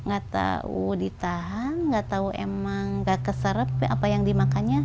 gak tau ditahan gak tau emang gak keserep apa yang dimakannya